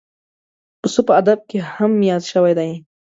پسه په ادب کې هم یاد شوی دی.